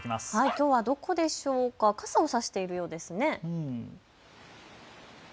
きょうはどこでしょうか傘を差しているようですよね。